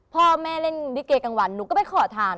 พ่อแม่เล่นลิเกกลางวันหนูก็ไปขอทาน